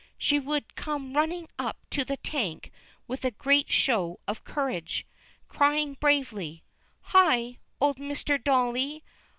She would come running up to the tank with a great show of courage, crying bravely: "Hi, old Mister Dolly!